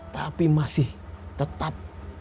tapi masih tetap saudara